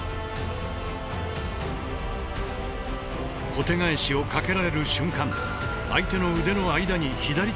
小手返しをかけられる瞬間相手の腕の間に左手を差し込んでいる。